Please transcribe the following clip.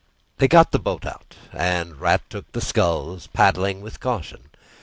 They got the boat out, and the Rat took the sculls, paddling with caution.